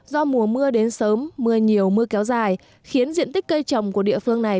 do mùa mưa đến sớm mưa nhiều mưa kéo dài khiến diện tích cây trồng của địa phương này